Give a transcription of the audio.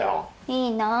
いいなぁ。